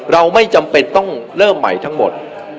เราไม่จำเป็นต้องเริ่มใหม่ทั้งหมด